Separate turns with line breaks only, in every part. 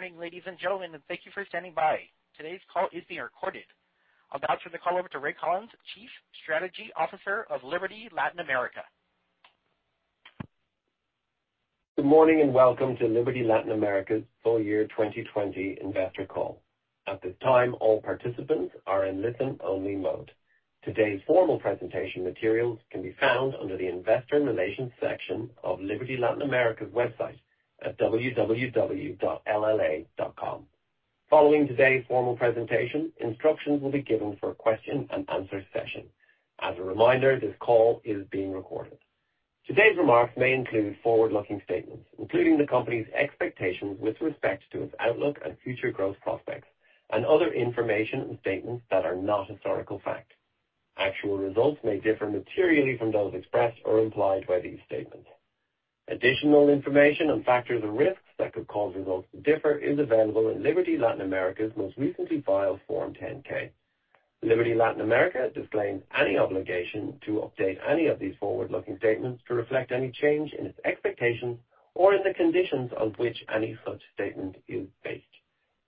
Good morning, ladies and gentlemen. Thank you for standing by. Today's call is being recorded. I'll now turn the call over to Ray Collins, Chief Strategy Officer of Liberty Latin America.
Good morning, welcome to Liberty Latin America's Full Year 2020 Investor Call. At this time, all participants are in listen-only mode. Today's formal presentation materials can be found under the investor relations section of Liberty Latin America's website at www.lla.com. Following today's formal presentation, instructions will be given for a question and answer session. As a reminder, this call is being recorded. Today's remarks may include forward-looking statements, including the company's expectations with respect to its outlook and future growth prospects, and other information and statements that are not historical fact. Actual results may differ materially from those expressed or implied by these statements. Additional information on factors and risks that could cause results to differ is available in Liberty Latin America's most recently filed Form 10-K. Liberty Latin America disclaims any obligation to update any of these forward-looking statements to reflect any change in its expectations or in the conditions on which any such statement is based.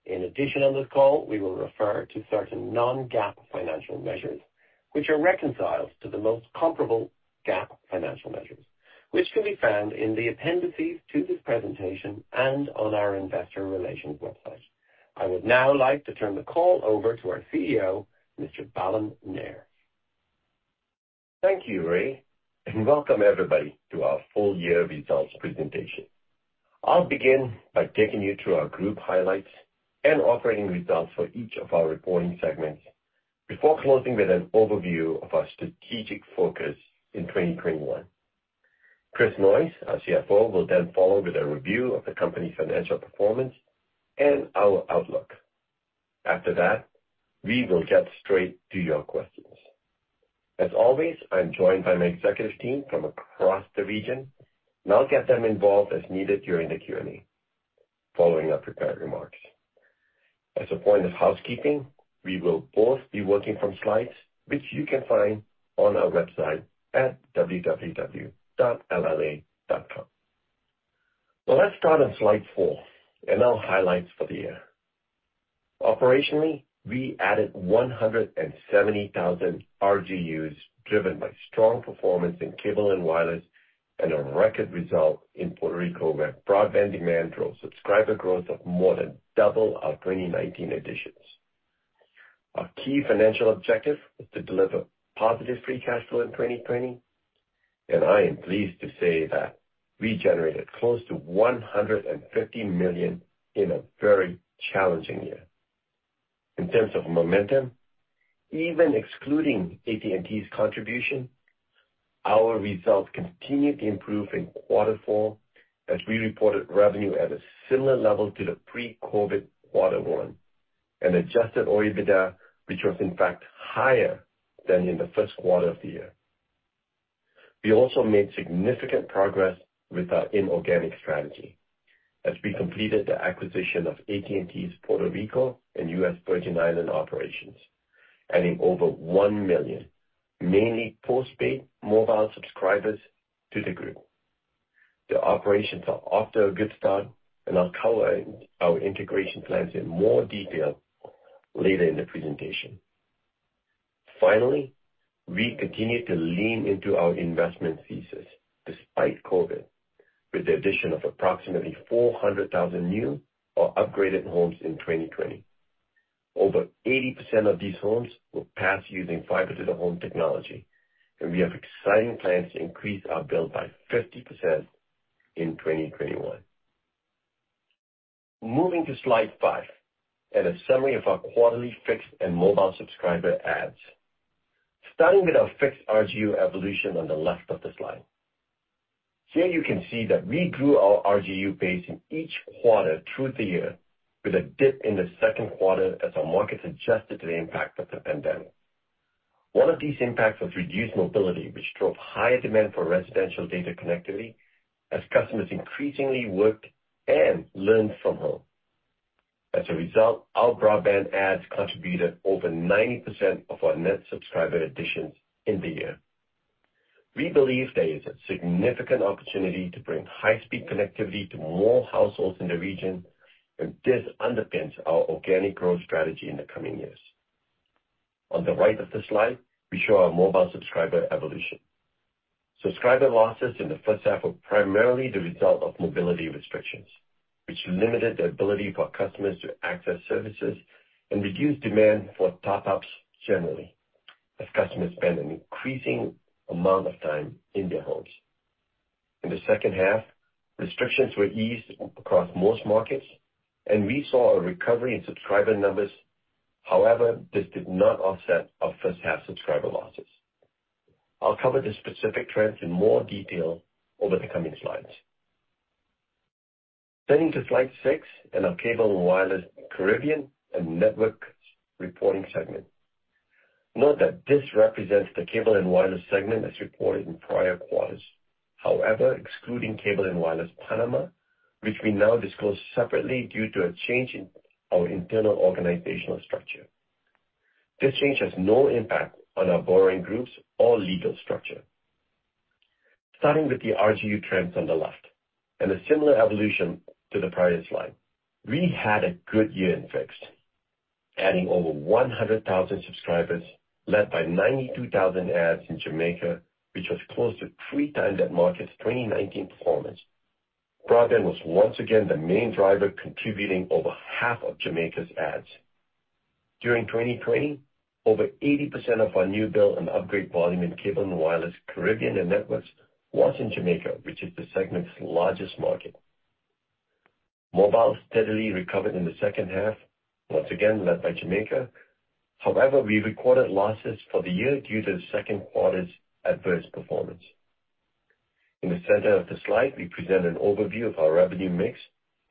In addition, on this call, we will refer to certain non-GAAP financial measures, which are reconciled to the most comparable GAAP financial measures, which can be found in the appendices to this presentation and on our investor relations website. I would now like to turn the call over to our CEO, Mr. Balan Nair.
Thank you, Ray, and welcome everybody to our full year results presentation. I'll begin by taking you through our group highlights and operating results for each of our reporting segments before closing with an overview of our strategic focus in 2021. Chris Noyes, our CFO, will follow with a review of the company's financial performance and our outlook. After that, we will get straight to your questions. As always, I'm joined by my executive team from across the region. I'll get them involved as needed during the Q&A following our prepared remarks. As a point of housekeeping, we will both be working from slides which you can find on our website at www.lla.com. Well, let's start on slide four, our highlights for the year. Operationally, we added 170,000 RGUs driven by strong performance in Cable & Wireless, and a record result in Puerto Rico, where broadband demand drove subscriber growth of more than double our 2019 additions. I am pleased to say that we generated close to $150 million in a very challenging year. In terms of momentum, even excluding AT&T's contribution, our results continued to improve in quarter four as we reported revenue at a similar level to the pre-COVID quarter one and Adjusted OIBDA, which was in fact higher than in the first quarter of the year. We also made significant progress with our inorganic strategy as we completed the acquisition of AT&T's Puerto Rico and U.S. Virgin Islands operations, adding over 1 million, mainly postpaid mobile subscribers to the group. The operations are off to a good start, and I'll cover our integration plans in more detail later in the presentation. We continued to lean into our investment thesis despite COVID, with the addition of approximately 400,000 new or upgraded homes in 2020. Over 80% of these homes were passed using fiber to the home technology, and we have exciting plans to increase our build by 50% in 2021. Moving to slide five, a summary of our quarterly fixed and mobile subscriber adds. Starting with our fixed RGU evolution on the left of the slide. Here you can see that we grew our RGU base in each quarter through the year with a dip in the second quarter as our markets adjusted to the impact of the pandemic. One of these impacts was reduced mobility, which drove higher demand for residential data connectivity as customers increasingly worked and learned from home. As a result, our broadband adds contributed over 90% of our net subscriber additions in the year. We believe there is a significant opportunity to bring high-speed connectivity to more households in the region. This underpins our organic growth strategy in the coming years. On the right of the slide, we show our mobile subscriber evolution. Subscriber losses in the first half were primarily the result of mobility restrictions, which limited the ability for customers to access services and reduced demand for top-ups generally as customers spent an increasing amount of time in their homes. In the second half, restrictions were eased across most markets. We saw a recovery in subscriber numbers. However, this did not offset our first half subscriber losses. I'll cover the specific trends in more detail over the coming slides. Turning to slide six in our Cable & Wireless Caribbean and Networks reporting segment. Note that this represents the Cable & Wireless segment as reported in prior quarters. Excluding Cable & Wireless Panama, which we now disclose separately due to a change in our internal organizational structure. This change has no impact on our borrowing groups or legal structure. Starting with the RGU trends on the left, a similar evolution to the previous slide. We had a good year in fixed, adding over 100,000 subscribers, led by 92,000 adds in Jamaica, which was close to three times that market's 2019 performance. Broadband was once again the main driver, contributing over half of Jamaica's adds. During 2020, over 80% of our new build and upgrade volume in Cable & Wireless, Caribbean, and Networks was in Jamaica, which is the segment's largest market. Mobile steadily recovered in the second half, once again led by Jamaica. However, we recorded losses for the year due to the second quarter's adverse performance. In the center of the slide, we present an overview of our revenue mix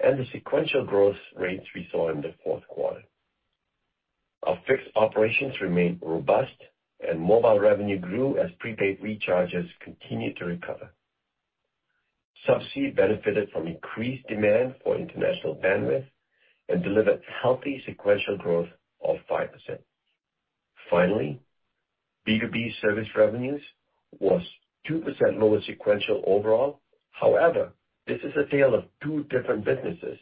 and the sequential growth rates we saw in the fourth quarter. Our fixed operations remained robust and mobile revenue grew as prepaid recharges continued to recover. Subsea benefited from increased demand for international bandwidth and delivered healthy sequential growth of 5%. Finally, B2B service revenues was 2% lower sequential overall. However, this is a tale of two different businesses,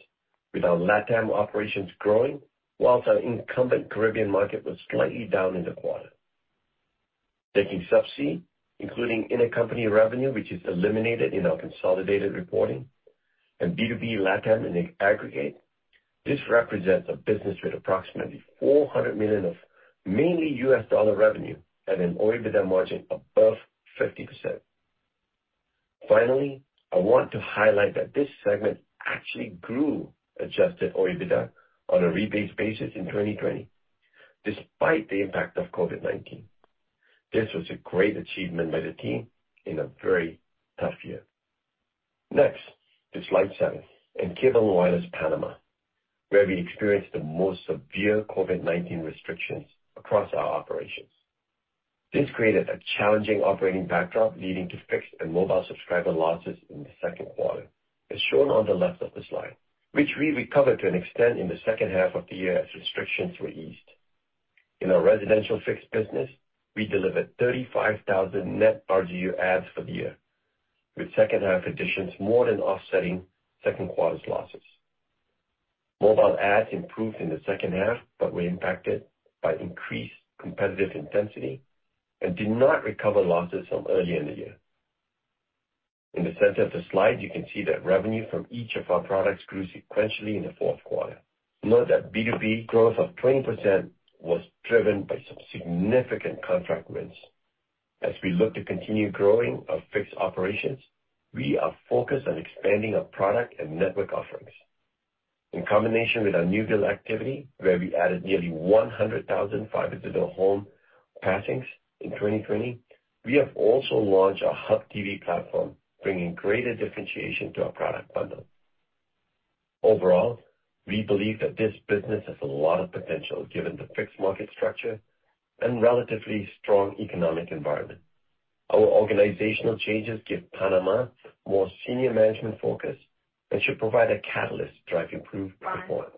with our LatAm operations growing whilst our incumbent Caribbean market was slightly down in the quarter. Taking subsea, including intercompany revenue which is eliminated in our consolidated reporting, and B2B LatAm in aggregate, this represents a business with approximately $400 million of mainly U.S. dollar revenue and an OIBDA margin above 50%. Finally, I want to highlight that this segment actually grew Adjusted OIBDA on a rebased basis in 2020, despite the impact of COVID-19. This was a great achievement by the team in a very tough year. Next, to slide seven, and Cable & Wireless Panama, where we experienced the most severe COVID-19 restrictions across our operations. This created a challenging operating backdrop, leading to fixed and mobile subscriber losses in the second quarter, as shown on the left of the slide, which we recovered to an extent in the second half of the year as restrictions were eased. In our residential fixed business, we delivered 35,000 net RGU adds for the year, with second half additions more than offsetting second quarter's losses. Mobile adds improved in the second half, but were impacted by increased competitive intensity and did not recover losses from earlier in the year. In the center of the slide, you can see that revenue from each of our products grew sequentially in the fourth quarter. Note that B2B growth of 20% was driven by some significant contract wins. As we look to continue growing our fixed operations, we are focused on expanding our product and network offerings. In combination with our new build activity, where we added nearly 100,000 fiber to the home passings in 2020, we have also launched our Hub TV platform, bringing greater differentiation to our product bundle. Overall, we believe that this business has a lot of potential given the fixed market structure and relatively strong economic environment. Our organizational changes give Panama more senior management focus and should provide a catalyst to drive improved performance.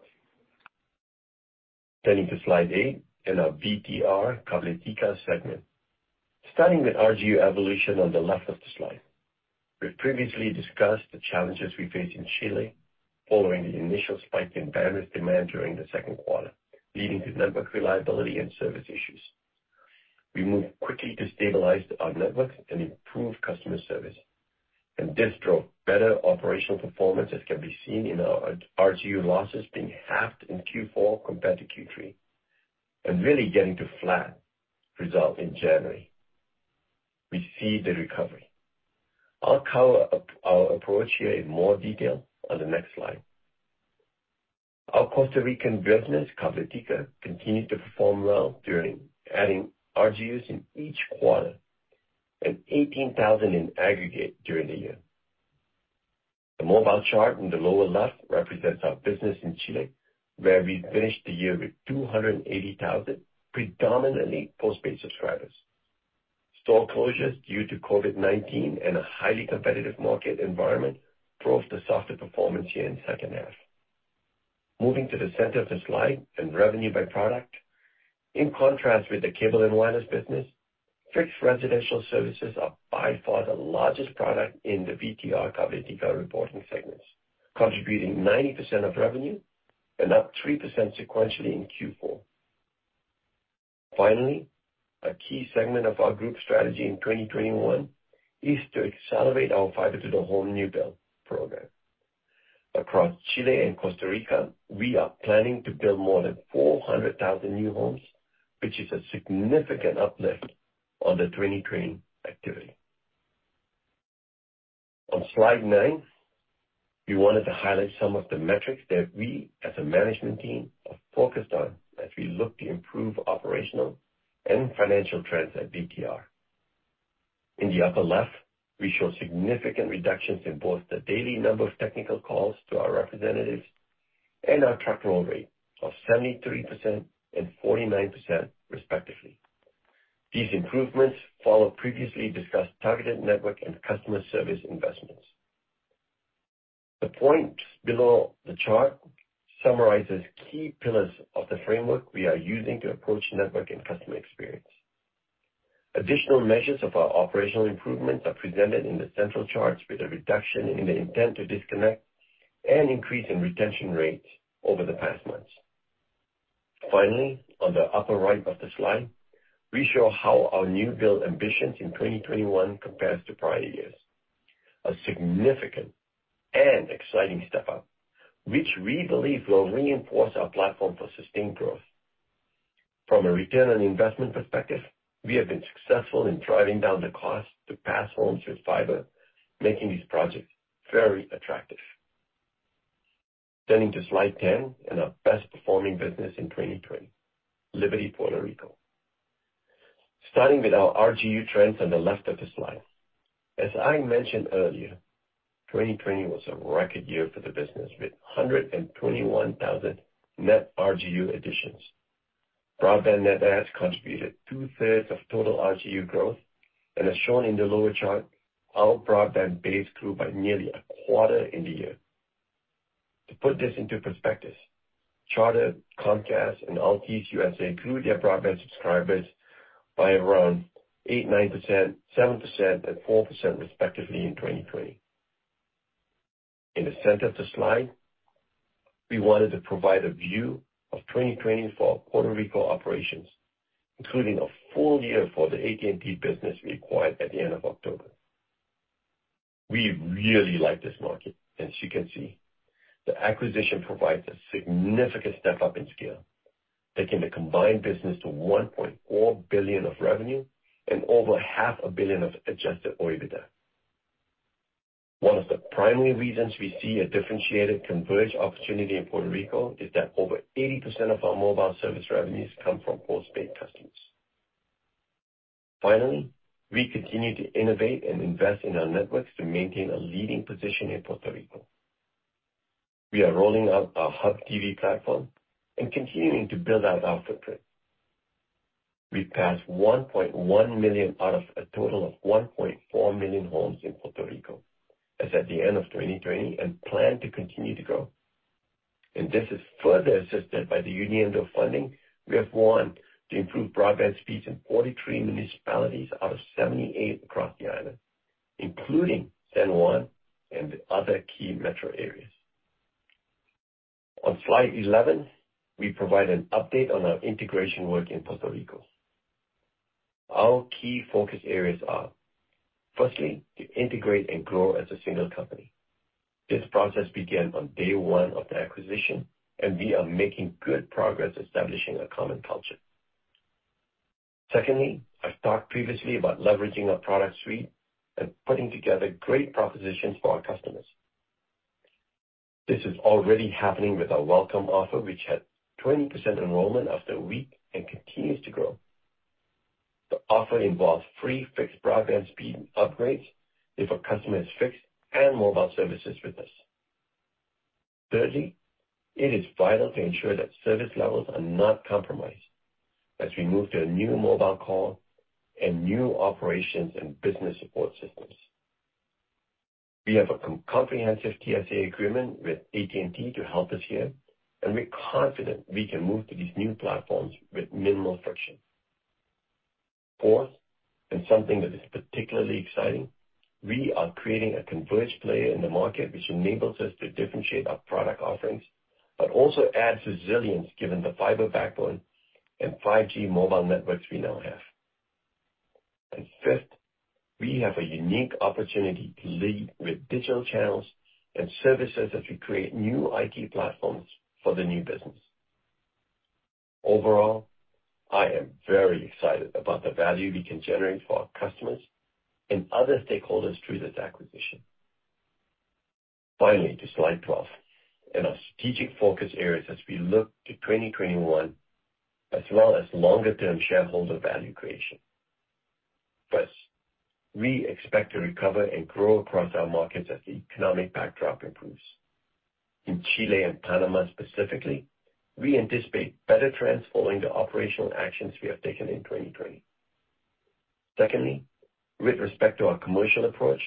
Turning to slide eight and our VTR/Cabletica segment. Starting with RGU evolution on the left of the slide. We've previously discussed the challenges we faced in Chile following the initial spike in bandwidth demand during the second quarter, leading to network reliability and service issues. We moved quickly to stabilize our networks and improve customer service, and this drove better operational performance, as can be seen in our RGU losses being halved in Q4 compared to Q3, and really getting to flat result in January. We see the recovery. I'll cover our approach here in more detail on the next slide. Our Costa Rican business, Cabletica, continued to perform well, adding RGUs in each quarter, and 18,000 in aggregate during the year. The mobile chart in the lower left represents our business in Chile, where we finished the year with 280,000 predominantly postpaid subscribers. Store closures due to COVID-19 and a highly competitive market environment drove the softer performance here in the second half. Moving to the center of the slide and revenue by product. In contrast with the Cable & Wireless business, fixed residential services are by far the largest product in the VTR Cabletica reporting segments, contributing 90% of revenue and up 3% sequentially in Q4. Finally, a key segment of our group strategy in 2021 is to accelerate our fiber to the home new build program. Across Chile and Costa Rica, we are planning to build more than 400,000 new homes, which is a significant uplift on the 2020 activity. On slide nine, we wanted to highlight some of the metrics that we, as a management team, are focused on as we look to improve operational and financial trends at VTR. In the upper left, we show significant reductions in both the daily number of technical calls to our representatives and our truck roll rate of 73% and 49%, respectively. These improvements follow previously discussed targeted network and customer service investments. The point below the chart summarizes key pillars of the framework we are using to approach network and customer experience. Additional measures of our operational improvements are presented in the central charts with a reduction in the intent to disconnect and increase in retention rates over the past months. On the upper right of the slide, we show how our new build ambitions in 2021 compares to prior years. A significant and exciting step-up, which we believe will reinforce our platform for sustained growth. From a return on investment perspective, we have been successful in driving down the cost to pass homes with fiber, making these projects very attractive. Turning to slide 10 and our best performing business in 2020, Liberty Puerto Rico. Starting with our RGU trends on the left of the slide. As I mentioned earlier, 2020 was a record year for the business, with 121,000 net RGU additions. Broadband net adds contributed two-thirds of total RGU growth. As shown in the lower chart, our broadband base grew by nearly a quarter in the year. To put this into perspective, Charter, Comcast, and Altice USA grew their broadband subscribers by around 8.9%, 7%, and 4% respectively in 2020. In the center of the slide, we wanted to provide a view of 2020 for our Puerto Rico operations, including a full year for the AT&T business we acquired at the end of October. We really like this market. As you can see, the acquisition provides a significant step up in scale, taking the combined business to $1.4 billion of revenue and over half a billion of Adjusted OIBDA. One of the primary reasons we see a differentiated converged opportunity in Puerto Rico is that over 80% of our mobile service revenues come from post-paid customers. Finally, we continue to innovate and invest in our networks to maintain a leading position in Puerto Rico. We are rolling out our Hub TV platform and continuing to build out our footprint. We passed 1.1 million out of a total of 1.4 million homes in Puerto Rico as at the end of 2020 and plan to continue to grow. This is further assisted by the Uniendo a Puerto Rico Fund we have won to improve broadband speeds in 43 municipalities out of 78 across the island, including San Juan and other key metro areas. On slide 11, we provide an update on our integration work in Puerto Rico. Our key focus areas are, firstly, to integrate and grow as a single company. This process began on day one of the acquisition, and we are making good progress establishing a common culture. Secondly, I've talked previously about leveraging our product suite and putting together great propositions for our customers. This is already happening with our welcome offer, which had 20% enrollment after a week and continues to grow. The offer involves free fixed broadband speed upgrades if a customer has fixed and mobile services with us. Thirdly, it is vital to ensure that service levels are not compromised as we move to a new mobile core and new operations and business support systems. We have a comprehensive TSA agreement with AT&T to help us here, and we're confident we can move to these new platforms with minimal friction. Fourth, and something that is particularly exciting, we are creating a converged player in the market, which enables us to differentiate our product offerings, but also adds resilience given the fiber backbone and 5G mobile networks we now have. Fifth, we have a unique opportunity to lead with digital channels and services as we create new IT platforms for the new business. Overall, I am very excited about the value we can generate for our customers and other stakeholders through this acquisition. Finally, to slide 12 and our strategic focus areas as we look to 2021, as well as longer term shareholder value creation. First, we expect to recover and grow across our markets as the economic backdrop improves. In Chile and Panama specifically, we anticipate better trends following the operational actions we have taken in 2020. Secondly, with respect to our commercial approach,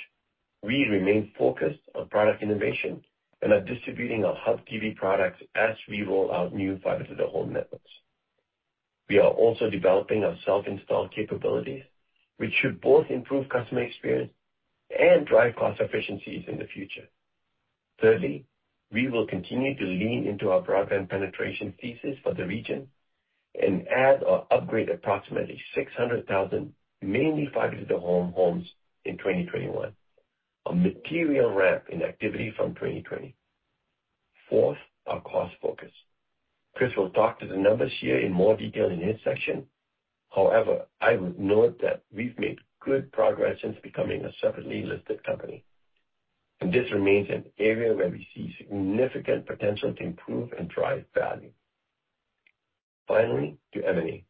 we remain focused on product innovation and are distributing our Hub TV products as we roll out new fiber to the home networks. We are also developing our self-install capabilities, which should both improve customer experience and drive cost efficiencies in the future. Thirdly, we will continue to lean into our broadband penetration thesis for the region and add or upgrade approximately 600,000 mainly fiber-to-the-home homes in 2021, a material ramp in activity from 2020. Fourth, our cost focus. Chris will talk to the numbers here in more detail in his section. However, I would note that we've made good progress since becoming a separately listed company, and this remains an area where we see significant potential to improve and drive value. Finally, to M&A.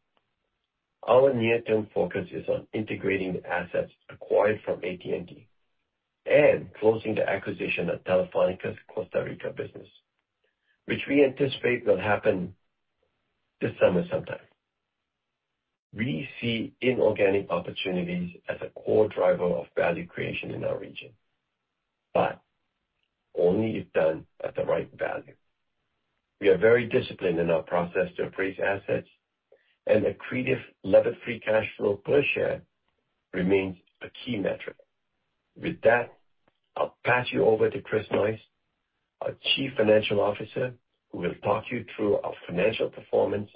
Our near-term focus is on integrating the assets acquired from AT&T and closing the acquisition of Telefónica's Costa Rica business, which we anticipate will happen this summer sometime. We see inorganic opportunities as a core driver of value creation in our region, but only if done at the right value. We are very disciplined in our process to appraise assets, and accretive levered free cash flow per share remains a key metric. With that, I'll pass you over to Chris Noyes, our Chief Financial Officer, who will talk you through our financial performance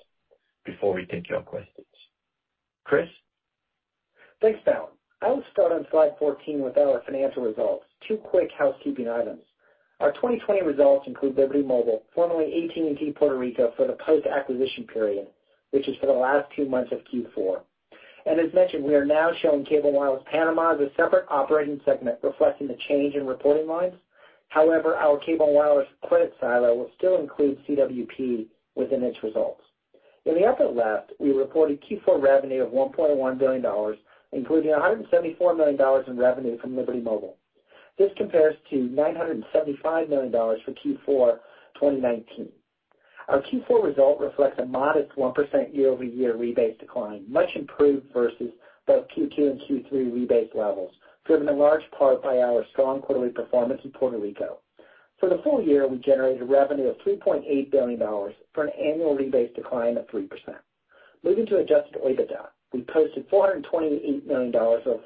before we take your questions. Chris?
Thanks, Balan. I will start on slide 14 with our financial results. Two quick housekeeping items. Our 2020 results include Liberty Mobile, formerly AT&T Puerto Rico, for the post-acquisition period, which is for the last two months of Q4. As mentioned, we are now showing Cable & Wireless Panama as a separate operating segment, reflecting the change in reporting lines. However, our Cable & Wireless credit silo will still include CWP within its results. In the upper left, we reported Q4 revenue of $1.1 billion, including $174 million in revenue from Liberty Mobile. This compares to $975 million for Q4 2019. Our Q4 result reflects a modest 1% year-over-year rebased decline, much improved versus both Q2 and Q3 rebased levels, driven in large part by our strong quarterly performance in Puerto Rico. For the full year, we generated revenue of $3.8 billion for an annual rebased decline of 3%. Moving to Adjusted EBITDA, we posted $428 million or a 4%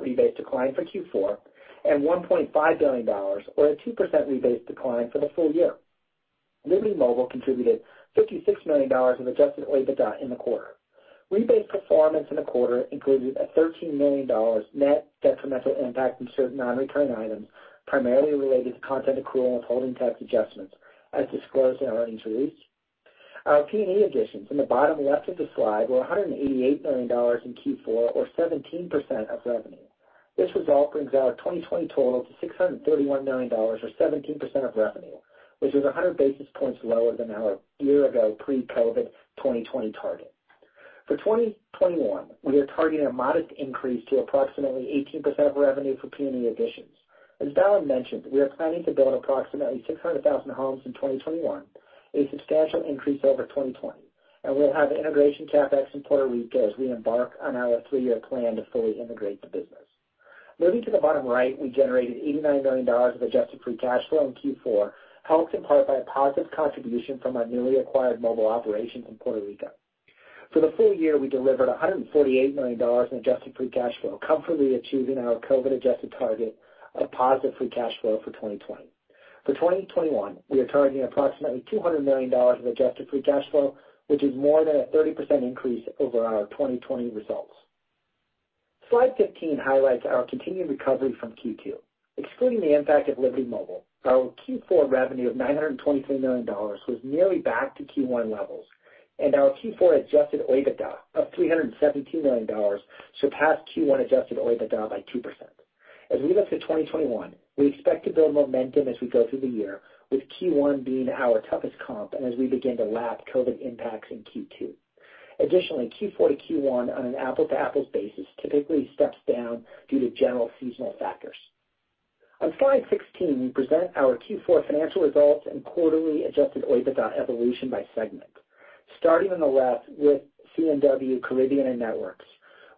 rebased decline for Q4 and $1.5 billion or a 2% rebased decline for the full year. Liberty Mobile contributed $56 million of Adjusted EBITDA in the quarter. Rebased performance in the quarter included a $13 million net detrimental impact from certain non-recurring items, primarily related to content accrual and withholding tax adjustments as disclosed in our earnings release. Our P&E additions in the bottom left of the slide were $188 million in Q4, or 17% of revenue. This result brings our 2020 total to $631 million or 17% of revenue, which is 100 basis points lower than our year ago pre-COVID 2020 target. For 2021, we are targeting a modest increase to approximately 18% of revenue for P&E additions. As Balan mentioned, we are planning to build approximately 600,000 homes in 2021, a substantial increase over 2020, and we'll have integration CapEx in Puerto Rico as we embark on our three-year plan to fully integrate the business. Moving to the bottom right, we generated $89 million of Adjusted Free Cash Flow in Q4, helped in part by a positive contribution from our newly acquired mobile operations in Puerto Rico. For the full year, we delivered $148 million in Adjusted Free Cash Flow, comfortably achieving our COVID adjusted target of positive free cash flow for 2020. For 2021, we are targeting approximately $200 million of Adjusted Free Cash Flow, which is more than a 30% increase over our 2020 results. Slide 15 highlights our continued recovery from Q2. Excluding the impact of Liberty Mobile, our Q4 revenue of $923 million was nearly back to Q1 levels, and our Q4 Adjusted EBITDA of $317 million surpassed Q1 Adjusted EBITDA by 2%. As we look to 2021, we expect to build momentum as we go through the year, with Q1 being our toughest comp and as we begin to lap COVID impacts in Q2. Additionally, Q4 to Q1 on an apple to apples basis typically steps down due to general seasonal factors. On slide 16, we present our Q4 financial results and quarterly Adjusted EBITDA evolution by segment. Starting on the left with C&W Caribbean and Networks,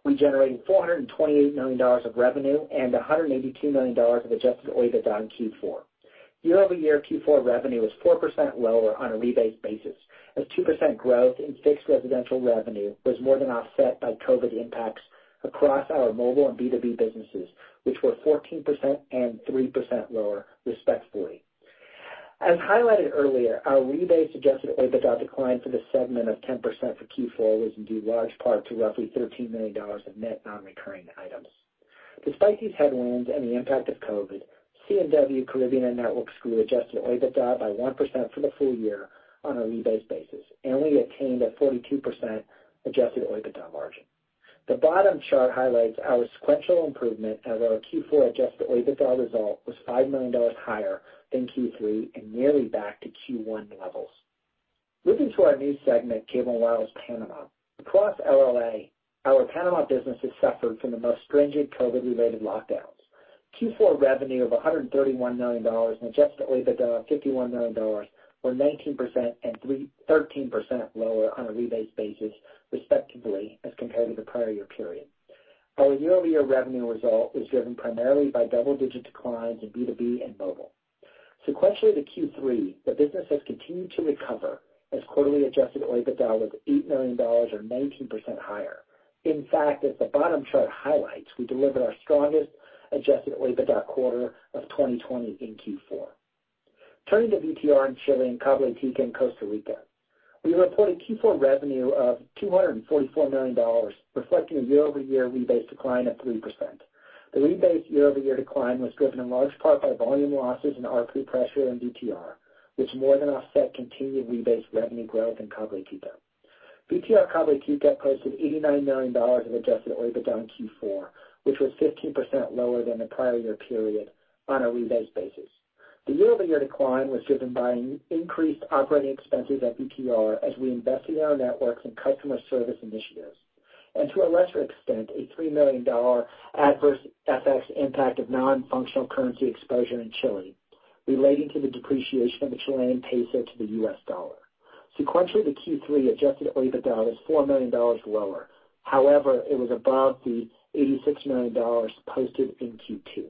we generated $428 million of revenue and $182 million of Adjusted EBITDA in Q4. Year-over-year Q4 revenue was 4% lower on a rebased basis as 2% growth in fixed residential revenue was more than offset by COVID impacts across our mobile and B2B businesses, which were 14% and 3% lower, respectively. As highlighted earlier, our rebased Adjusted EBITDA decline for this segment of 10% for Q4 was in due large part to roughly $13 million of net non-recurring items. Despite these headwinds and the impact of COVID, C&W Caribbean and Networks grew Adjusted EBITDA by 1% for the full year on a rebased basis, and we attained a 42% Adjusted EBITDA margin. The bottom chart highlights our sequential improvement as our Q4 Adjusted EBITDA result was $5 million higher than Q3 and nearly back to Q1 levels. Moving to our new segment, Cable & Wireless Panama. Across LLA, our Panama business has suffered from the most stringent COVID-related lockdowns. Q4 revenue of $131 million and Adjusted EBITDA of $51 million were 19% and 13% lower on a rebased basis, respectively, as compared to the prior year period. Our year-over-year revenue result was driven primarily by double-digit declines in B2B and mobile. Sequentially to Q3, the business has continued to recover as quarterly Adjusted EBITDA was $8 million or 19% higher. In fact, as the bottom chart highlights, we delivered our strongest Adjusted EBITDA quarter of 2020 in Q4. Turning to VTR in Chile and Cabletica in Costa Rica, we reported Q4 revenue of $244 million, reflecting a year-over-year rebased decline of 3%. The rebased year-over-year decline was driven in large part by volume losses and ARPU pressure in VTR, which more than offset continued rebased revenue growth in Cabletica. VTR Cabletica posted $89 million of Adjusted EBITDA in Q4, which was 15% lower than the prior year period on a rebased basis. The year-over-year decline was driven by increased operating expenses at VTR as we invested in our networks and customer service initiatives, and to a lesser extent, a $3 million adverse FX impact of non-functional currency exposure in Chile. Relating to the depreciation of the Chilean peso to the US dollar. Sequentially to Q3, Adjusted OIBDA was $4 million lower. However, it was above the $86 million posted in Q2.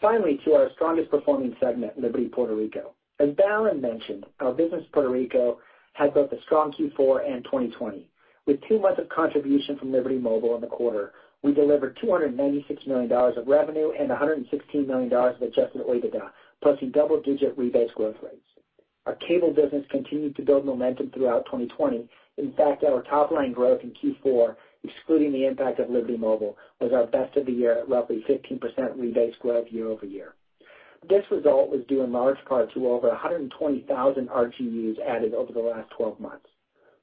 Finally, to our strongest performing segment, Liberty Puerto Rico. As Balan mentioned, our business in Puerto Rico had both a strong Q4 and 2020. With two months of contribution from Liberty Mobile in the quarter, we delivered $296 million of revenue and $116 million of Adjusted OIBDA, posting double-digit rebased growth rates. Our cable business continued to build momentum throughout 2020. In fact, our top-line growth in Q4, excluding the impact of Liberty Mobile, was our best of the year at roughly 15% rebased growth year-over-year. This result was due in large part to over 120,000 RGUs added over the last 12 months.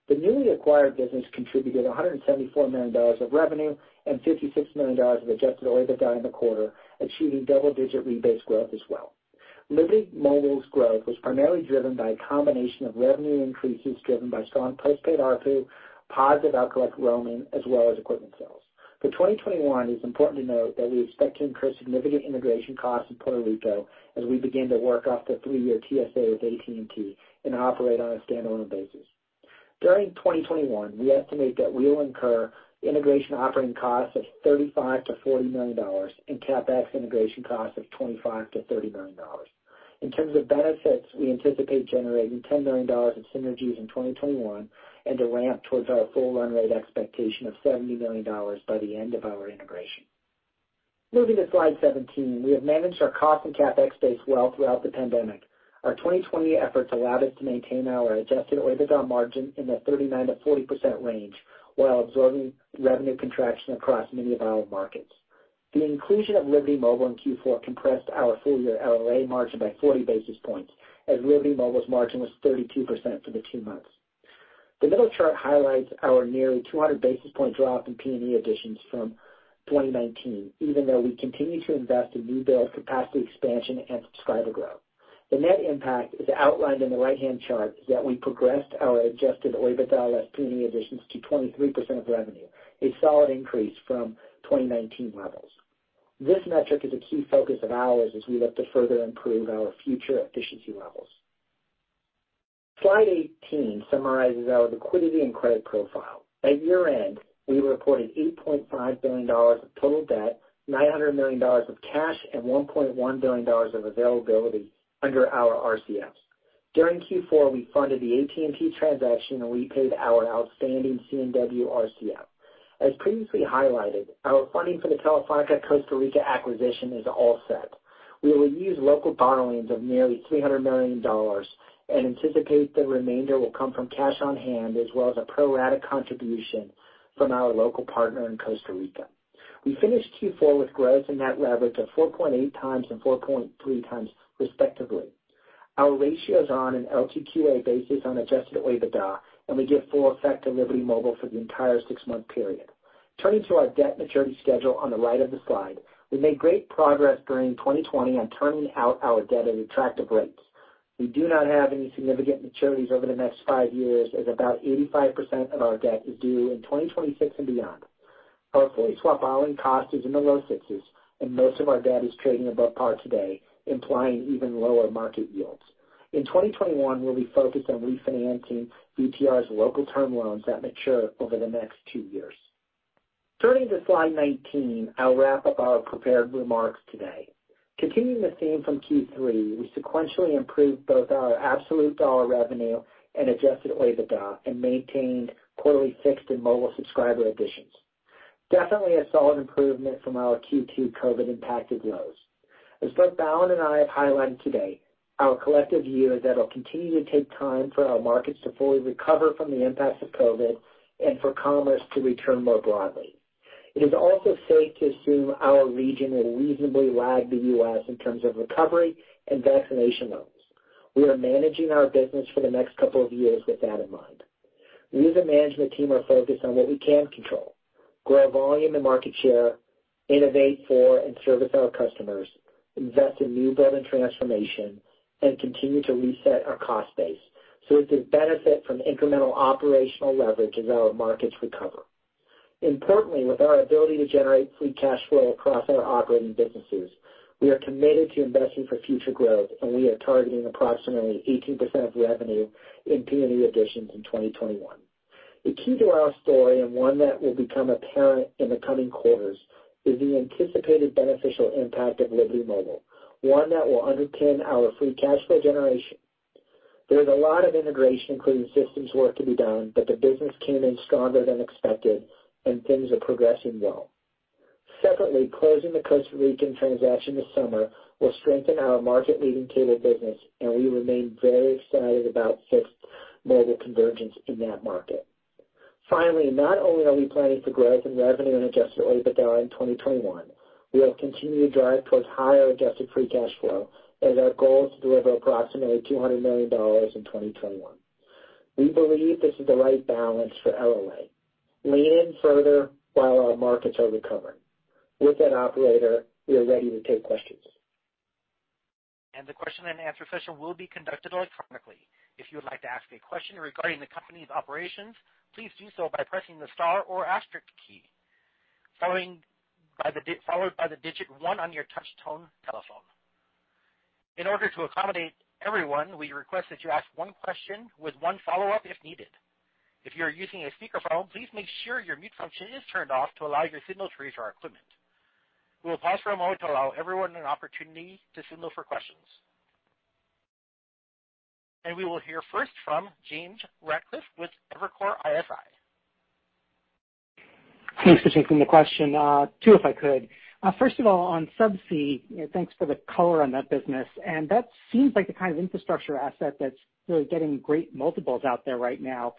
The newly acquired business contributed $174 million of revenue and $56 million of Adjusted OIBDA in the quarter, achieving double-digit rebased growth as well. Liberty Mobile's growth was primarily driven by a combination of revenue increases driven by strong postpaid ARPU, positive out-collect roaming, as well as equipment sales. For 2021, it's important to note that we expect to increase significant integration costs in Puerto Rico as we begin to work off the three-year TSA with AT&T and operate on a standalone basis. During 2021, we estimate that we will incur integration operating costs of $35 million-$40 million and CapEx integration costs of $25 million-$30 million. In terms of benefits, we anticipate generating $10 million in synergies in 2021 and to ramp towards our full run rate expectation of $70 million by the end of our integration. Moving to slide 17. We have managed our cost and CapEx base well throughout the pandemic. Our 2020 efforts allowed us to maintain our Adjusted OIBDA margin in the 39%-40% range while absorbing revenue contraction across many of our markets. The inclusion of Liberty Mobile in Q4 compressed our full year LLA margin by 40 basis points, as Liberty Mobile's margin was 32% for the two months. The middle chart highlights our nearly 200 basis point drop in P&E additions from 2019, even though we continue to invest in new build capacity expansion and subscriber growth. The net impact is outlined in the right-hand chart that we progressed our Adjusted OIBDA less P&E additions to 23% of revenue, a solid increase from 2019 levels. This metric is a key focus of ours as we look to further improve our future efficiency levels. Slide 18 summarizes our liquidity and credit profile. At year-end, we reported $8.5 billion of total debt, $900 million of cash, and $1.1 billion of availability under our RCFs. During Q4, we funded the AT&T transaction, and we paid our outstanding C&W RCF. As previously highlighted, our funding for the Telefónica Costa Rica acquisition is all set. We will use local borrowings of nearly $300 million and anticipate the remainder will come from cash on hand as well as a pro-rata contribution from our local partner in Costa Rica. We finished Q4 with gross and net leverage of 4.8x and 4.3x respectively. Our ratios on an LTM basis on Adjusted OIBDA, and we give full effect to Liberty Mobile for the entire six-month period. Turning to our debt maturity schedule on the right of the slide. We made great progress during 2020 on terming out our debt at attractive rates. We do not have any significant maturities over the next five years, as about 85% of our debt is due in 2026 and beyond. Our fully swapped borrowing cost is in the low sixes, and most of our debt is trading above par today, implying even lower market yields. In 2021, we'll be focused on refinancing VTR's local term loans that mature over the next two years. Turning to slide 19. I'll wrap up our prepared remarks today. Continuing the theme from Q3, we sequentially improved both our absolute dollar revenue and Adjusted OIBDA and maintained quarterly fixed and mobile subscriber additions. Definitely a solid improvement from our Q2 COVID impacted lows. As both Balan and I have highlighted today, our collective view is that it'll continue to take time for our markets to fully recover from the impacts of COVID and for commerce to return more broadly. It is also safe to assume our region will reasonably lag the U.S. in terms of recovery and vaccination levels. We are managing our business for the next couple of years with that in mind. We as a management team are focused on what we can control, grow volume and market share, innovate for and service our customers, invest in new build and transformation, and continue to reset our cost base so as to benefit from incremental operational leverage as our markets recover. Importantly, with our ability to generate free cash flow across our operating businesses, we are committed to investing for future growth, and we are targeting approximately 18% of revenue in P&E additions in 2021. The key to our story, and one that will become apparent in the coming quarters, is the anticipated beneficial impact of Liberty Mobile, one that will underpin our free cash flow generation. There is a lot of integration, including systems work to be done, but the business came in stronger than expected and things are progressing well. Secondly, closing the Costa Rican transaction this summer will strengthen our market-leading cable business, and we remain very excited about fixed mobile convergence in that market. Finally, not only are we planning for growth in revenue and Adjusted OIBDA in 2021, we will continue to drive towards higher Adjusted Free Cash Flow as our goal is to deliver approximately $200 million in 2021. We believe this is the right balance for LLA. Lean in further while our markets are recovering. With that, operator, we are ready to take questions.
The question and answer session will be conducted electronically. If you would like to ask a question regarding the company's operations, please do so by pressing the star or asterisk key, followed by the digit one on your touch-tone telephone. In order to accommodate everyone, we request that you ask one question with one follow-up if needed. If you're using a speakerphone, please make sure your mute function is turned off to allow your signal to reach our equipment. We will pause for a moment to allow everyone an opportunity to signal for questions. We will hear first from James Ratcliffe with Evercore ISI.
Thanks for taking the question. Two, if I could. First of all, on subsea, thanks for the color on that business. That seems like the kind of infrastructure asset that's really getting great multiples out there right now.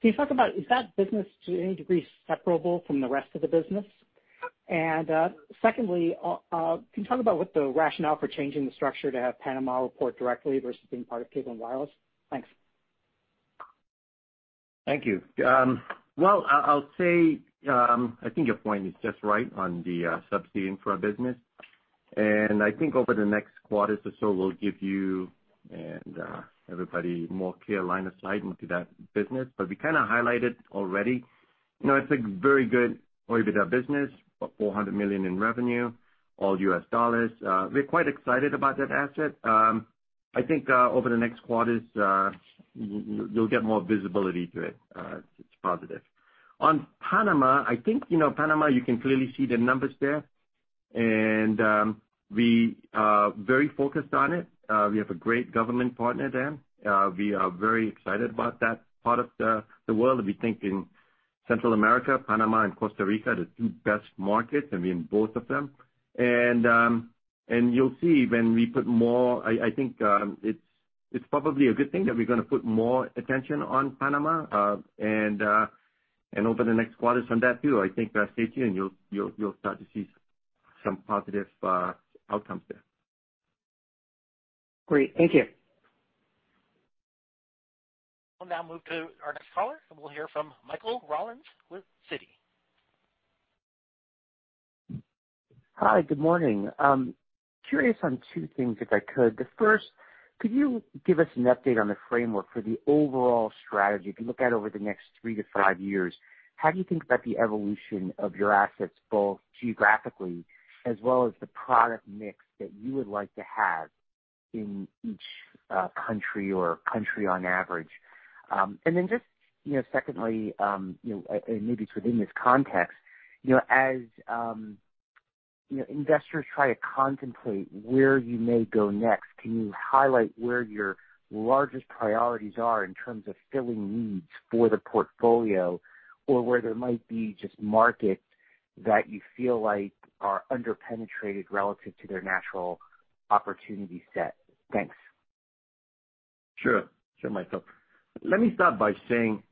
Can you talk about, is that business, to any degree, separable from the rest of the business? Secondly, can you talk about what the rationale for changing the structure to have Panama report directly versus being part of Cable & Wireless? Thanks.
Thank you. I think your point is just right on the subsea infra business. I think over the next quarter or so, we'll give you and everybody more clear line of sight into that business. We kind of highlighted already. It's a very good EBITDA business, about $400 million in revenue. We're quite excited about that asset. I think, over the next quarters, you'll get more visibility to it. It's positive. On Panama, I think, Panama, you can clearly see the numbers there. We are very focused on it. We have a great government partner there. We are very excited about that part of the world. We think in Central America, Panama and Costa Rica are the two best markets, we in both of them. You'll see when we put more I think, it's probably a good thing that we're gonna put more attention on Panama over the next quarters on that, too. I think stay tuned, you'll start to see some positive outcomes there.
Great. Thank you.
We'll now move to our next caller, and we'll hear from Michael Rollins with Citi.
Hi, good morning. Curious on two things, if I could. The first, could you give us an update on the framework for the overall strategy? If you look out over the next 3 to 5 years, how do you think about the evolution of your assets, both geographically as well as the product mix that you would like to have in each country or country on average? Just secondly, and maybe it's within this context, as investors try to contemplate where you may go next, can you highlight where your largest priorities are in terms of filling needs for the portfolio? Or where there might be just markets that you feel like are under-penetrated relative to their natural opportunity set? Thanks.
Sure. Sure, Michael. Let me start by saying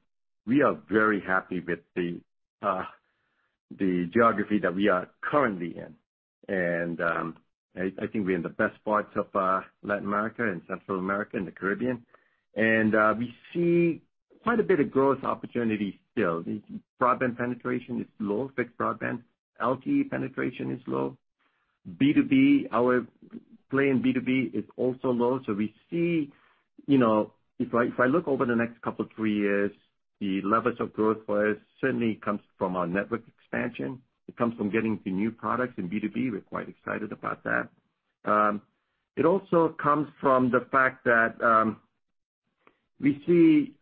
we are very happy with the geography that we are currently in. I think we're in the best parts of Latin America and Central America and the Caribbean. We see quite a bit of growth opportunities still. The broadband penetration is low, fixed broadband. LTE penetration is low. B2B, our play in B2B is also low. We see, if I look over the next couple of three years, the levers of growth for us certainly comes from our network expansion. It comes from getting to new products in B2B. We're quite excited about that. It also comes from the fact that, we see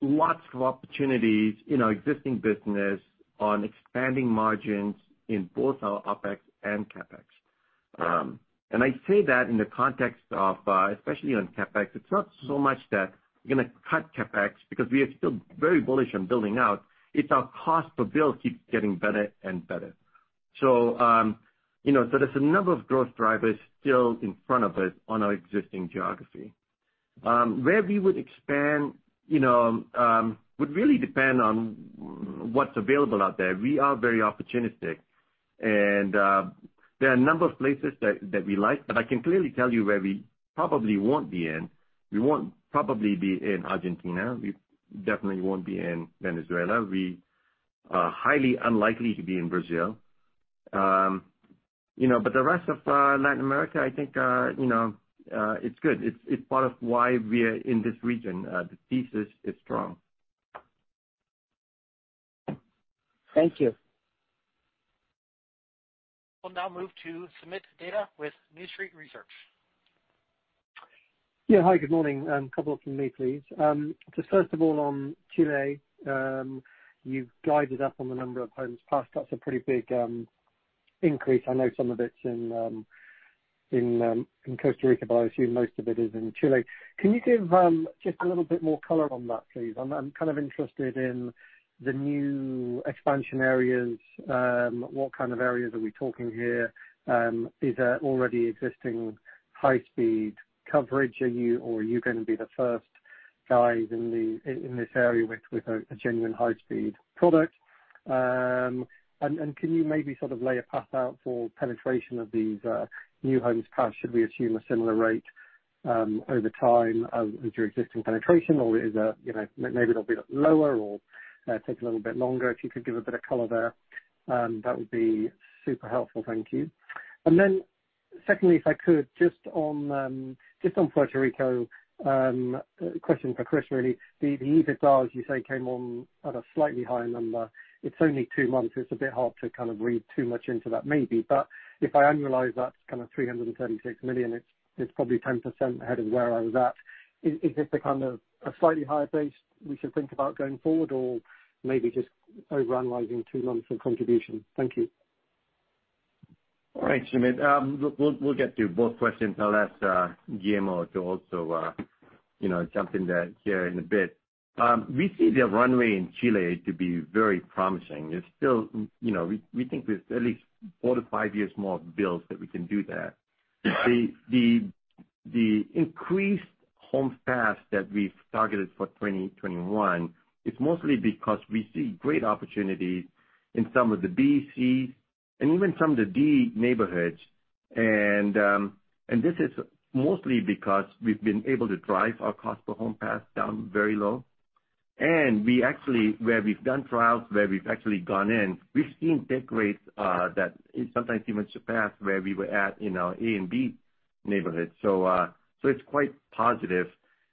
lots of opportunities in our existing business on expanding margins in both our OpEx and CapEx. I say that in the context of, especially on CapEx, it's not so much that we're gonna cut CapEx, because we are still very bullish on building out. It's our cost per build keeps getting better and better. There's a number of growth drivers still in front of us on our existing geography. Where we would expand would really depend on what's available out there. We are very opportunistic. There are a number of places that we like, but I can clearly tell you where we probably won't be in. We won't probably be in Argentina. We definitely won't be in Venezuela. We are highly unlikely to be in Brazil. The rest of Latin America, I think, it's good. It's part of why we're in this region. The thesis is strong.
Thank you.
We'll now move to Soomit Datta with New Street Research.
Yeah. Hi, good morning. A couple from me, please. First of all on Chile, you've guided up on the number of homes passed. That's a pretty big increase. I know some of it's in Costa Rica, but I assume most of it is in Chile. Can you give just a little bit more color on that, please? I'm kind of interested in the new expansion areas. What kind of areas are we talking here? Is there already existing high speed coverage? Or are you gonna be the first guys in this area with a genuine high-speed product? Can you maybe sort of lay a path out for penetration of these new homes passed? Should we assume a similar rate over time as your existing penetration? Maybe they'll be lower or take a little bit longer. If you could give a bit of color there, that would be super helpful. Thank you. Secondly, if I could, just on Puerto Rico, question for Chris, really. The EBITDA, as you say, came on at a slightly higher number. It's only two months, it's a bit hard to read too much into that. Maybe, if I annualize that kind of $336 million, it's probably 10% ahead of where I was at. Is this a kind of slightly higher base we should think about going forward or maybe just over-analyzing two months of contribution? Thank you.
All right, Soomit. We'll get to both questions. I'll ask Guillermo to also jump in there here in a bit. We see the runway in Chile to be very promising. We think there's at least four to five years more builds that we can do there. The increased home pass that we've targeted for 2021 is mostly because we see great opportunities in some of the B, C, and even some of the D neighborhoods. This is mostly because we've been able to drive our cost per home pass down very low. Where we've done trials, where we've actually gone in, we've seen take rates that is sometimes even surpass where we were at in our A and B neighborhoods. It's quite positive.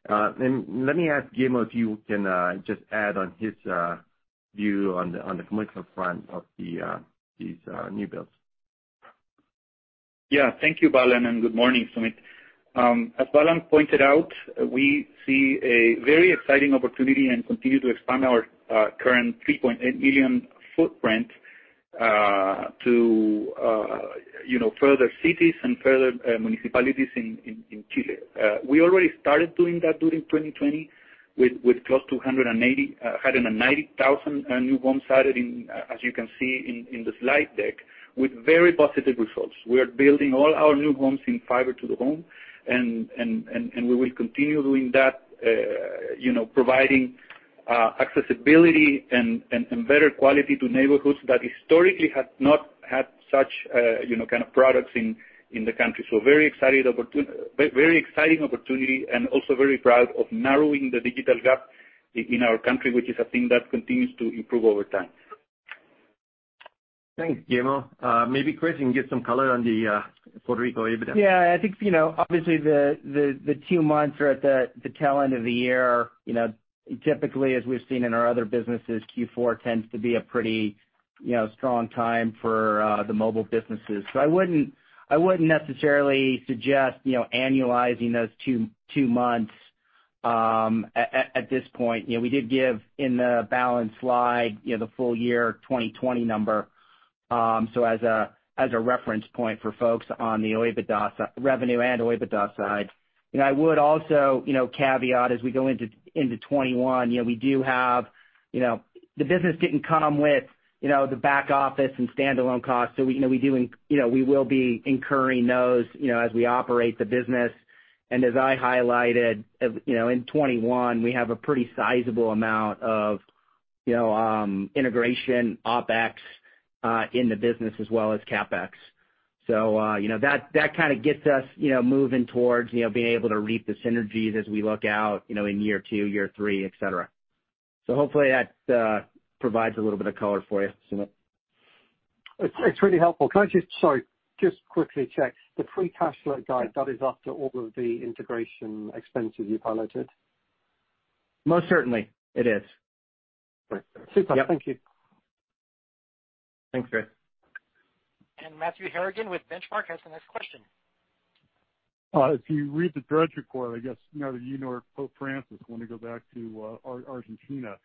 Let me ask Guillermo if he can just add on his view on the commercial front of these new builds.
Yeah. Thank you, Balan, and good morning, Soomit. As Balan pointed out, we see a very exciting opportunity and continue to expand our current 3.8 million footprint to further cities and further municipalities in Chile. We already started doing that during 2020 with close to 190,000 new homes added, as you can see in the slide deck, with very positive results. We are building all our new homes in fiber to the home, and we will continue doing that, providing accessibility and better quality to neighborhoods that historically have not had such kind of products in the country. Very exciting opportunity and also very proud of narrowing the digital gap in our country, which is a thing that continues to improve over time.
Thanks, Guillermo. Maybe Chris can give some color on the Puerto Rico EBITDA.
Obviously, the two months are at the tail end of the year. Typically, as we've seen in our other businesses, Q4 tends to be a pretty strong time for the mobile businesses. I wouldn't necessarily suggest annualizing those two months at this point. We did give in the balance slide the full year 2020 number as a reference point for folks on the revenue and OIBDA side. I would also caveat as we go into 2021, the business didn't come with the back office and standalone costs. We will be incurring those as we operate the business. As I highlighted, in 2021, we have a pretty sizable amount of integration OpEx in the business as well as CapEx. That kind of gets us moving towards being able to reap the synergies as we look out in year two, year three, et cetera. Hopefully that provides a little bit of color for you, Soomit.
It's really helpful. Sorry, just quickly check. The free cash flow guide, that is after all of the integration expenses you piloted?
Most certainly. It is.
Great. Super.
Yep.
Thank you.
Thanks, Chris.
Matthew Harrigan with Benchmark has the next question.
If you read the Drudge Report, I guess neither you nor Pope Francis want to go back to Argentina,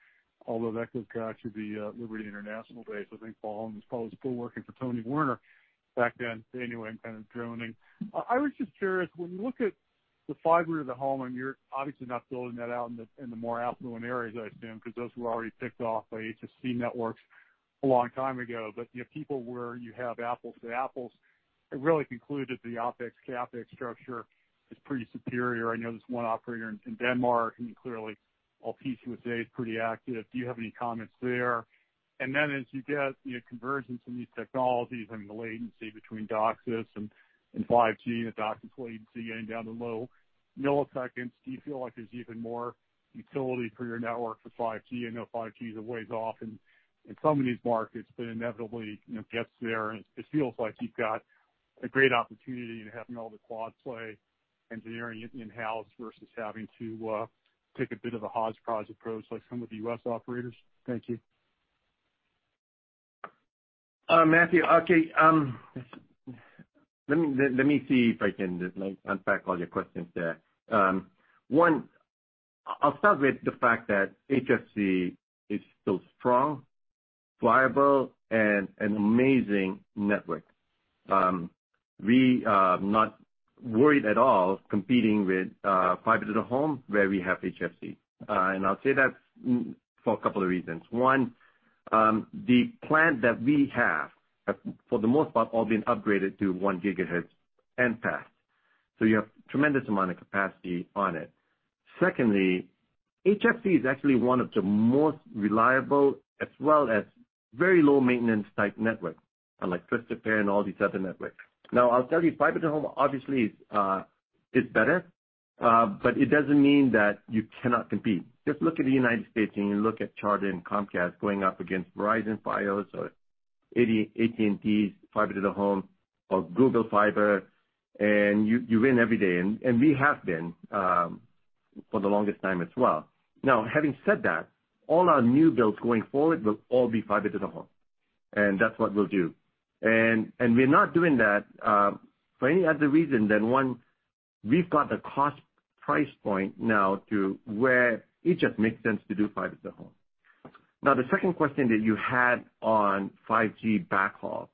although that could actually be Liberty International Day. I think Balan was probably still working for Tony Werner back then. Anyway, I'm kind of droning. I was just curious, when you look at the fiber to the home, and you're obviously not building that out in the more affluent areas, I assume, because those were already picked off by HFC networks a long time ago. People where you have apples to apples have really concluded the OpEx, CapEx structure is pretty superior. I know there's one operator in Denmark, and clearly Altice USA is pretty active. Do you have any comments there? As you get convergence in these technologies and the latency between DOCSIS and 5G, the DOCSIS latency getting down to low milliseconds, do you feel like there's even more utility for your network for 5G? I know 5G is a ways off in some of these markets, but inevitably it gets there, and it feels like you've got a great opportunity in having all the quad-play engineering in-house versus having to take a bit of a hodgepodge approach like some of the U.S. operators. Thank you.
Matthew. Okay. Let me see if I can unpack all your questions there. One, I'll start with the fact that HFC is still strong, viable, and an amazing network. We are not worried at all competing with fiber to the home where we have HFC. I'll say that for a couple of reasons. One, the plant that we have, for the most part, all been upgraded to 1 GHz end path. You have tremendous amount of capacity on it. Secondly, HFC is actually one of the most reliable as well as very low maintenance type networks, unlike twisted pair and all these other networks. Now, I'll tell you, fiber to home obviously is better. It doesn't mean that you cannot compete. Just look at the U.S. and you look at Charter and Comcast going up against Verizon Fios or AT&T's fiber to the home or Google Fiber, you win every day. We have been for the longest time as well. Now, having said that, all our new builds going forward will all be fiber to the home, and that's what we'll do. We're not doing that for any other reason than one, we've got the cost price point now to where it just makes sense to do fiber to the home. Now, the second question that you had on 5G backhaul.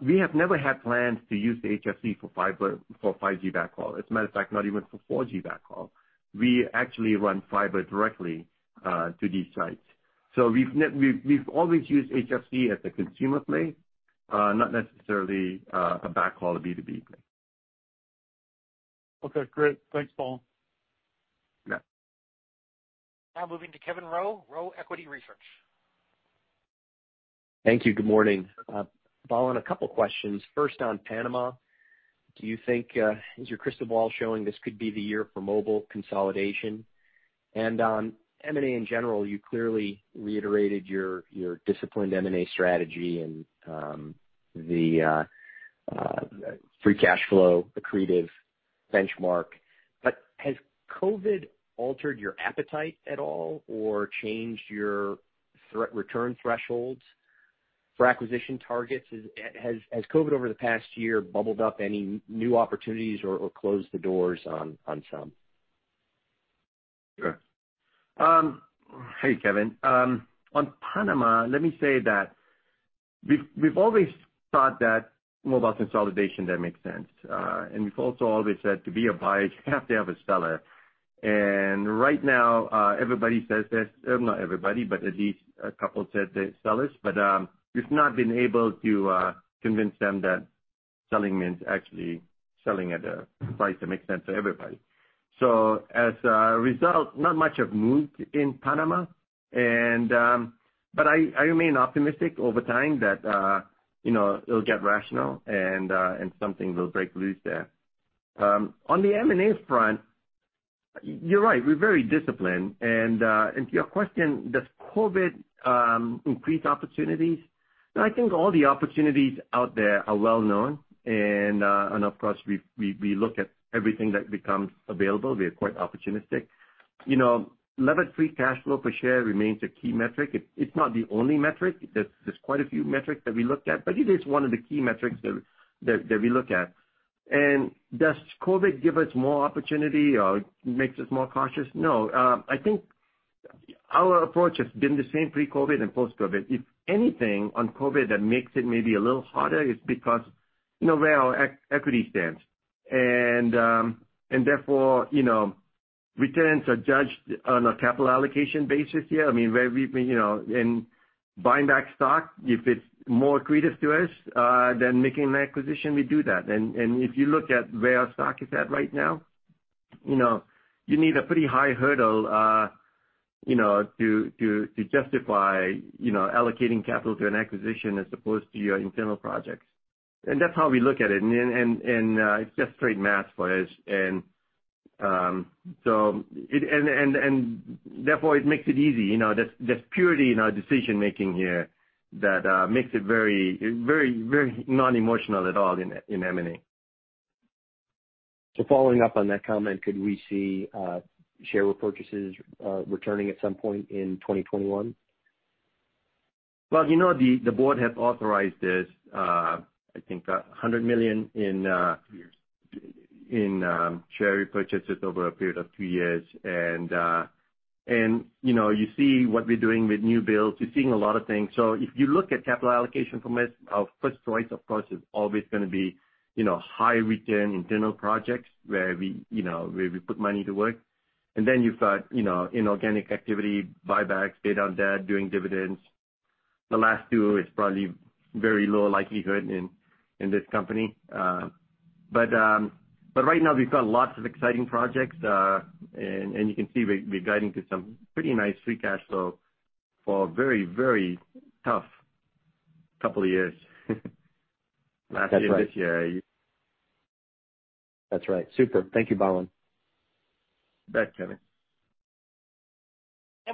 We have never had plans to use HFC for 5G backhaul. As a matter of fact, not even for 4G backhaul. We actually run fiber directly to these sites. We've always used HFC as a consumer play, not necessarily a backhaul or B2B play.
Okay, great. Thanks, Balan.
Yeah.
Now moving to Kevin Roe, Roe Equity Research.
Thank you. Good morning. Balan, on a couple of questions. First, on Panama, do you think, is your crystal ball showing this could be the year for mobile consolidation? On M&A in general, you clearly reiterated your disciplined M&A strategy and the free cash flow accretive benchmark. Has COVID altered your appetite at all or changed your return thresholds for acquisition targets? Has COVID over the past year bubbled up any new opportunities or closed the doors on some?
Sure. Hey, Kevin. On Panama, let me say that we've always thought that mobile consolidation there makes sense. We've also always said to be a buyer, you have to have a seller. Right now, everybody says this, not everybody, but at least a couple sellers. We've not been able to convince them that selling means actually selling at a price that makes sense for everybody. As a result, not much have moved in Panama. I remain optimistic over time that it'll get rational and something will break loose there. On the M&A front, you're right, we're very disciplined. To your question, does COVID increase opportunities? No, I think all the opportunities out there are well-known. Of course, we look at everything that becomes available. We are quite opportunistic. Levered free cash flow per share remains a key metric. It's not the only metric. There's quite a few metrics that we look at, but it is one of the key metrics that we look at. Does COVID give us more opportunity or makes us more cautious? No. I think our approach has been the same pre-COVID and post-COVID. If anything, on COVID that makes it maybe a little harder is because where our equity stands. Therefore, returns are judged on a capital allocation basis here. In buying back stock, if it's more accretive to us than making an acquisition, we do that. If you look at where our stock is at right now, you need a pretty high hurdle to justify allocating capital to an acquisition as opposed to your internal projects. That's how we look at it, and it's just straight math for us. Therefore, it makes it easy. There's purity in our decision-making here that makes it very non-emotional at all in M&A.
Following up on that comment, could we see share repurchases returning at some point in 2021?
Well, the board has authorized this, I think, $100 million in-
Two years.
Share repurchases over a period of two years. You see what we're doing with new builds. You're seeing a lot of things. If you look at capital allocation from it, our first choice, of course, is always going to be high return internal projects where we put money to work. Then you've got inorganic activity, buybacks, pay down debt, doing dividends. The last two is probably very low likelihood in this company. Right now we've got lots of exciting projects. You can see we're guiding to some pretty nice free cash flow for a very, very tough couple of years. Last year, this year.
That's right. Super. Thank you, Balan.
You bet, Kevin.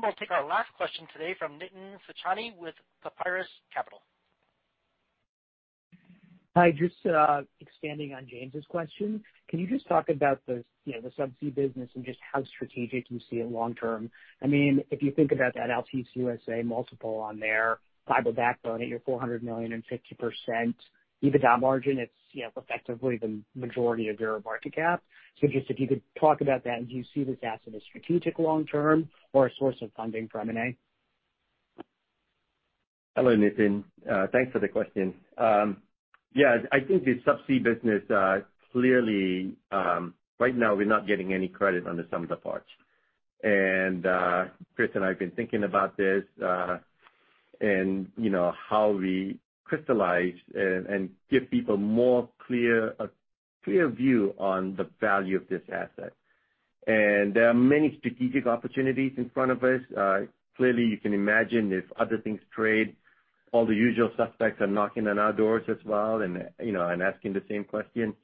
We'll take our last question today from Nitin Sacheti with Papyrus Capital.
Hi. Just expanding on James' question, can you just talk about the subsea business and just how strategic you see it long term? If you think about that Altice USA multiple on their fiber backbone at your $400 million and 50% EBITDA margin, it's effectively the majority of your market cap. Just if you could talk about that, and do you see this as a strategic long term or a source of funding for M&A?
Hello, Nitin. Thanks for the question. Yeah. I think the subsea business clearly right now, we're not getting any credit on the sum of the parts. Chris and I have been thinking about this and how we crystallize and give people a more clear view on the value of this asset. There are many strategic opportunities in front of us. Clearly, you can imagine if other things trade, all the usual suspects are knocking on our doors as well and asking the same question.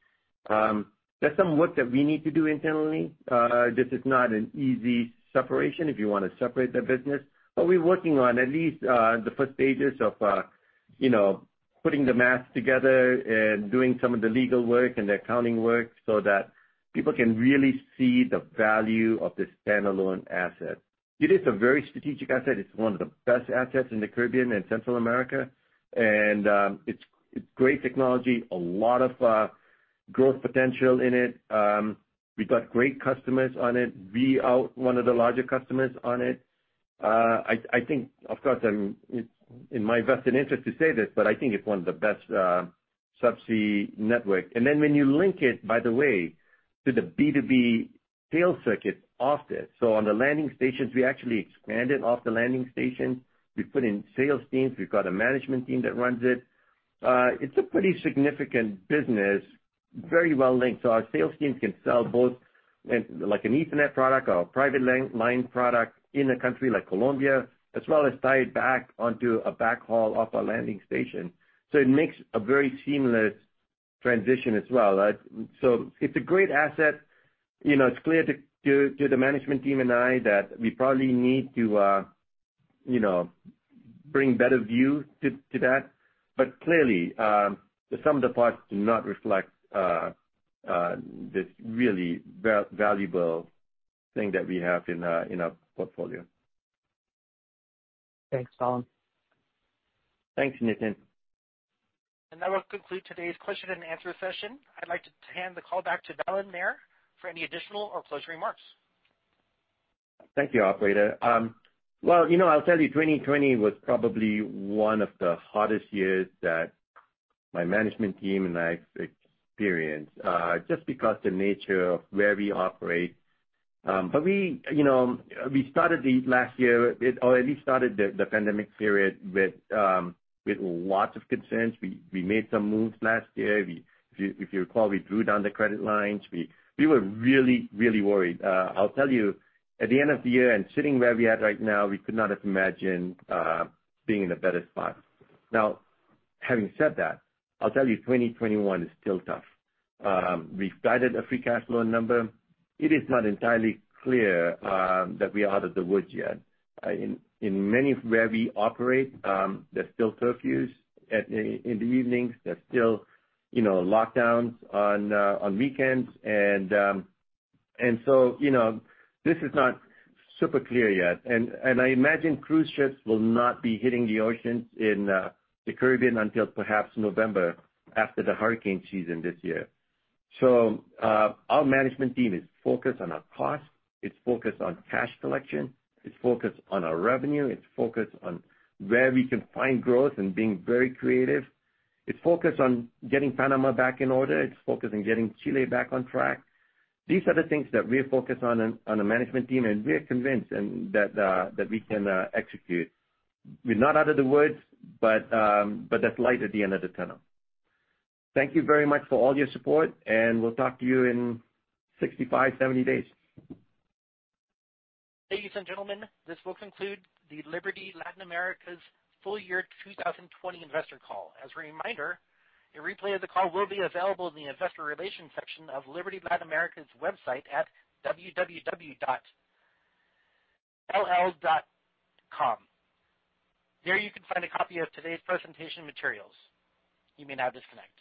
There's some work that we need to do internally. This is not an easy separation if you want to separate the business. We're working on at least the first stages of putting the math together and doing some of the legal work and the accounting work so that people can really see the value of this standalone asset. It is a very strategic asset. It's one of the best assets in the Caribbean and Central America, and it's great technology, a lot of growth potential in it. We've got great customers on it. We are one of the larger customers on it. I think, of course, it's in my vested interest to say this, but I think it's one of the best subsea network. Then when you link it, by the way, to the B2B sales circuit off this. On the landing stations, we actually expanded off the landing station. We put in sales teams. We've got a management team that runs it. It's a pretty significant business, very well linked. Our sales teams can sell both like an Ethernet product or a private line product in a country like Colombia, as well as tie it back onto a backhaul off a landing station. It makes a very seamless transition as well. It's a great asset. It's clear to the management team and I that we probably need to bring better view to that. Clearly, the sum of the parts do not reflect this really valuable thing that we have in our portfolio.
Thanks, Balan.
Thanks, Nitin.
That will conclude today's question and answer session. I'd like to hand the call back to Balan Nair for any additional or closing remarks.
Thank you, operator. Well, I'll tell you, 2020 was probably one of the hardest years that my management team and I experienced, just because the nature of where we operate. We started the last year, or at least started the pandemic period, with lots of concerns. We made some moves last year. If you recall, we drew down the credit lines. We were really worried. I'll tell you, at the end of the year and sitting where we at right now, we could not have imagined being in a better spot. Now, having said that, I'll tell you, 2021 is still tough. We've guided a free cash flow number. It is not entirely clear that we are out of the woods yet. In many where we operate, there's still curfews in the evenings. There's still lockdowns on weekends. This is not super clear yet. I imagine cruise ships will not be hitting the oceans in the Caribbean until perhaps November after the hurricane season this year. Our management team is focused on our cost, it's focused on cash collection, it's focused on our revenue, it's focused on where we can find growth and being very creative. It's focused on getting Panama back in order. It's focused on getting Chile back on track. These are the things that we're focused on on the management team, and we are convinced that we can execute. We're not out of the woods, but there's light at the end of the tunnel. Thank you very much for all your support, and we'll talk to you in 65, 70 days.
Ladies and gentlemen, this will conclude the Liberty Latin America's full year 2020 investor call. As a reminder, a replay of the call will be available in the investor relations section of Liberty Latin America's website at www.lla.com. There you can find a copy of today's presentation materials. You may now disconnect.